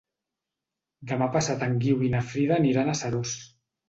Demà passat en Guiu i na Frida aniran a Seròs.